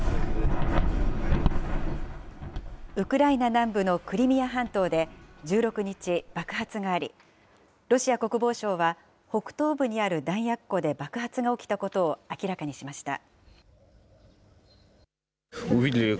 ウクライナ南部のクリミア半島で、１６日、爆発があり、ロシア国防省は、北東部にある弾薬庫で爆発が起きたことを明らかにしました。